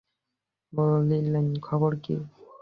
বলিলেন, খবর কী?